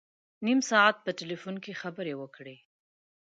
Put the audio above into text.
نیم ساعت په ټلفون کې خبري وکړې.